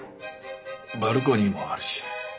バルコニーもあるし。